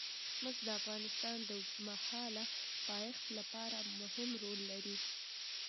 مس د افغانستان د اوږدمهاله پایښت لپاره مهم رول لري.